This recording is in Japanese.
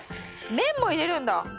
麺も入れるんだ。